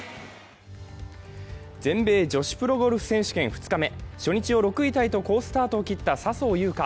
全米女子プロゴルフ選手権２日目、初日を６位タイと好スタートを切った笹生優花。